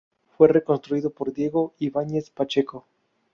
Fue reconstruido por Diego Ibáñez Pacheco.